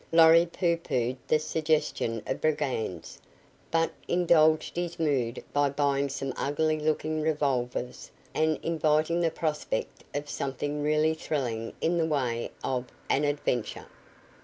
Lorry pooh poohed the suggestion of brigands, but indulged his mood by buying some ugly looking revolvers and inviting the prospect of something really thrilling in the way of an adventure.